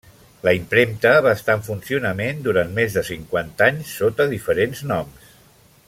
La impremta va estar en funcionament durant més de cinquanta anys, sota diferents noms.